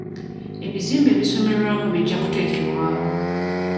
Ebizimbe ebisomerwamu bijja kuteekebwawo.